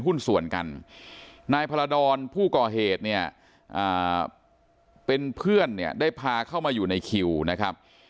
หุ้นส่วนกันนายพรดรผู้ก่อเหตุเนี่ยเป็นเพื่อนเนี่ยได้พาเข้ามาอยู่ในคิวนะครับ